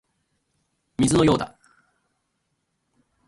水のようだ